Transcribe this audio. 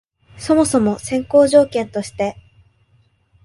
そもそも先行条件として、